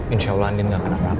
insya allah andin gak kena perang